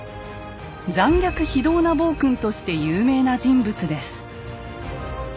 残虐非道な暴君として有名な人物です。